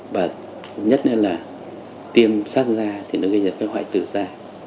và nhất là tiêm sát da thì nó gây ra các hoại tử da